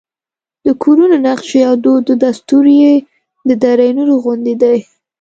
د کورونو نقشې او دود دستور یې د دره نور غوندې دی.